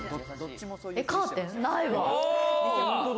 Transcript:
カーテンないわ。